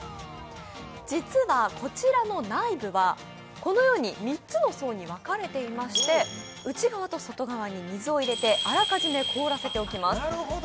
実は、こちらの内部は３つの層に分かれてまして内側と外側に水を入れてあらかじめ凍らせておきます。